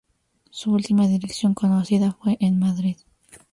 Su última dirección conocida fue en Madrid.